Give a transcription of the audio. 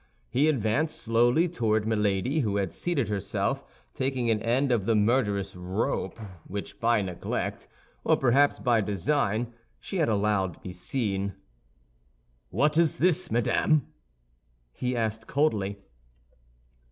He advanced slowly toward Milady, who had seated herself, and taking an end of the murderous rope which by neglect, or perhaps by design, she allowed to be seen, "What is this, madame?" he asked coldly.